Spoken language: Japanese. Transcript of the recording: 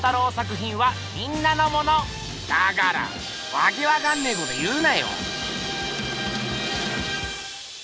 わけわかんねぇこと言うなよ！